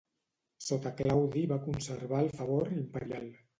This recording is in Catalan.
Sota Claudi va conservar el favor imperial.